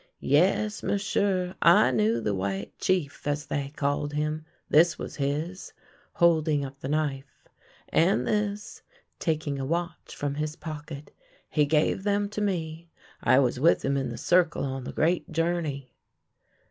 " Yes, m'sieu', I knew the White Chief, as they called him : this was his "— holding up the knife ;" and this "— taking a watch from his pocket. " He gave them to me ; I was with him in the Circle on the great journey."